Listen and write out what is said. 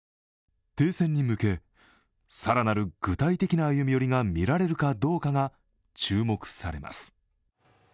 停戦に向け、更なる具体的な歩み寄りがみられるかどうかが注目されます。